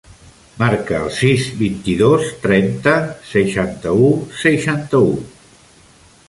Marca el sis, vint-i-dos, trenta, seixanta-u, seixanta-u.